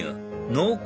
濃厚